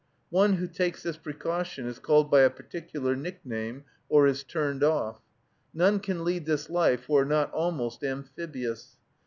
One who takes this precaution is called by a particular nickname, or is turned off. None can lead this life who are not almost amphibious.